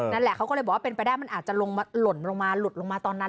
นั่นแหละเขาก็เลยบอกว่าเป็นไปได้มันอาจจะลดลงมาตอนนั้น